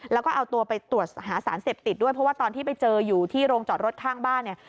แล้วก็เอาตัวไปตรวจหาสารเสพติดด้วยเพราะว่าตอนที่ไปเจออยู่ที่โรงจอดรถข้างบ้านเนี่ย